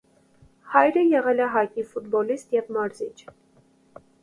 Հայրը եղել է հայտնի ֆուտբոլիստ և մարզիչ։